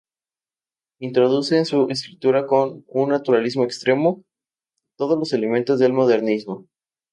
Introduce en su escultura con un naturalismo extremo, todos los elementos del modernismo.